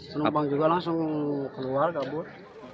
penumpang juga langsung keluar kabur